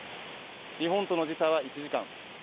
日本との時差は１時間。